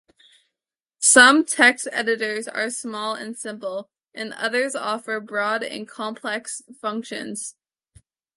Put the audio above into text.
Some text editors are small and simple, while others offer broad and complex functions.